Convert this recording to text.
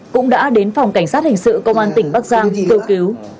cũng đã đến phòng cảnh sát hình sự công an tỉnh bắc giang kêu cứu